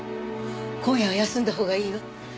今夜は休んだほうがいいわ。